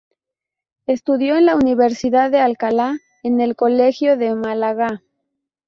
Estudió en la Universidad de Alcalá, en el Colegio de Málaga.